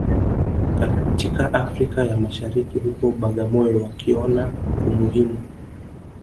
katika Afrika ya Mashariki huko Bagamoyo wakiona umuhimu